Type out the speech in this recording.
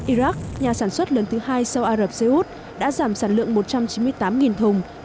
iraq nhà sản xuất lớn thứ hai sau ả rập xê út đã giảm sản lượng một trăm chín mươi tám thùng